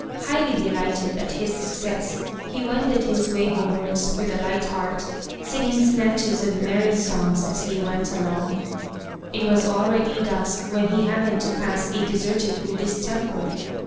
Highly delighted at his success, he wended his way homewards with a light heart, singing snatches of merry songs as he went along. It was already dusk when he happened to pass a deserted Buddhist temple.